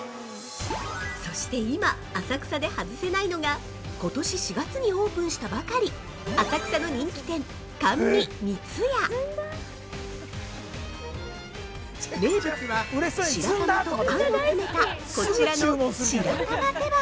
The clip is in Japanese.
そして今、浅草で外せないのが、今年４月にオープンしたばかり浅草の人気店、「甘味みつや」名物は白玉とあんを詰めたこちらの「白玉手箱」